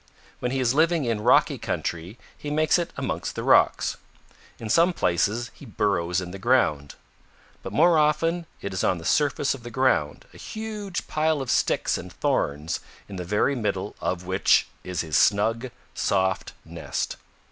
When he is living in rocky country, he makes it amongst the rocks. In some places he burrows in the ground. But more often it is on the surface of the ground a huge pile of sticks and thorns in the very middle of which is his snug, soft nest.